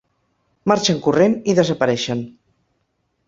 Marxen corrent i desapareixen.